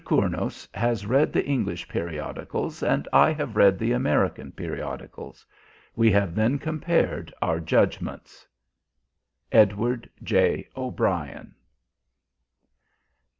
Cournos has read the English periodicals, and I have read the American periodicals. We have then compared our judgements. EDWARD J. O'BRIEN.